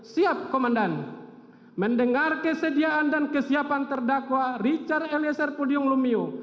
siap komandan mendengar kesediaan dan kesiapan terdakwa richard eliezer pudium lumiu